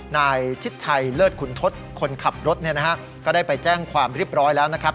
ชิดชัยเลิศขุนทศคนขับรถเนี่ยนะฮะก็ได้ไปแจ้งความเรียบร้อยแล้วนะครับ